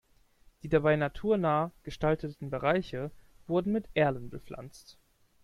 Die dabei naturnah gestalteten Bereiche wurden mit Erlen bepflanzt.